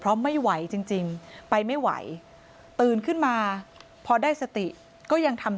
เพราะไม่ไหวจริงไปไม่ไหวตื่นขึ้นมาพอได้สติก็ยังทำ